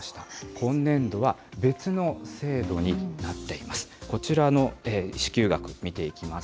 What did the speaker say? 今年度は別の制度になっています。